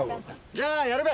じゃあやるべ。